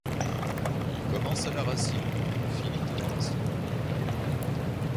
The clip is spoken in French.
Il commence à la racine et finit à la racine.